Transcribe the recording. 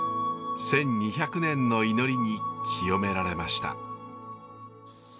１，２００年の祈りに清められました。